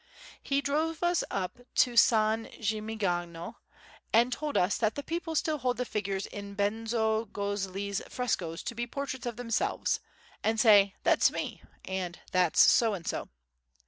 He drove us up to S. Gimignano and told us that the people still hold the figures in Benozzo Gozzoli's frescoes to be portraits of themselves and say: "That's me," and "That's so and so."